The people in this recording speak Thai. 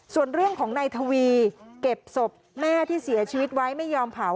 ส่วนเรื่องของนายทวีเก็บศพแม่ที่เสียชีวิตไว้ไม่ยอมเผา